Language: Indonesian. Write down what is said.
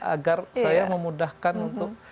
agar saya memudahkan untuk